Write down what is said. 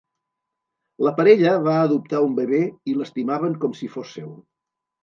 La parella va adoptar un bebè i l'estimaven com si fos seu.